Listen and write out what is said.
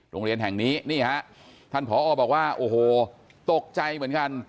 โรงเรียนแห่งนี้นี่ฮะท่านผอบอกว่าโอ้โหตกใจเหมือนกัน